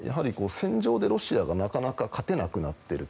戦場でロシアがなかなか勝てなくなっている。